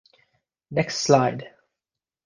Next Slide